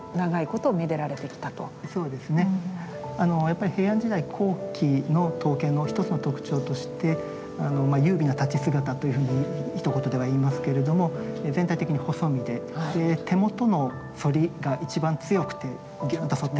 やっぱり平安時代後期の刀剣の一つの特徴として優美な太刀姿というふうにひと言では言いますけれども全体的に細身で手元の反りが一番強くてギュッと反ってるんですね。